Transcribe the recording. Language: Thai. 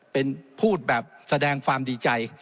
เป็นพูดแบบแสดงความดีใจ